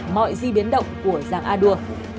mọi di biến động của giàng a đua